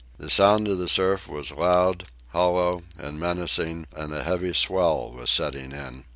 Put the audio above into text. The sound of the surf was loud, hollow, and menacing, and a heavy swell was setting in.